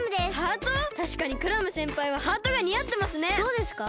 たしかにクラムせんぱいはハートがにあってますね！